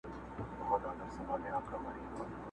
دوې کښتۍ مي وې نجات ته درلېږلي.!